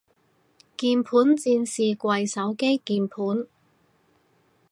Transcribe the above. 鍵盤戰士跪手機鍵盤